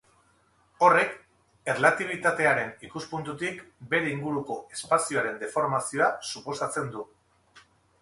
Horrek erlatibitatearen ikuspuntutik bere inguruko espazioaren deformazioa suposatzen du.